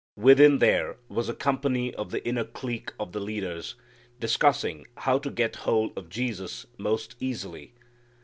Within there was a company of the inner clique of the leaders, discussing how to get hold of Jesus most easily.